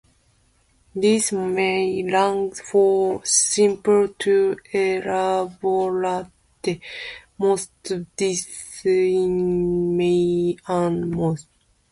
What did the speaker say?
Dishes may range from simple to elaborate; most dishes incorporate maize and moles.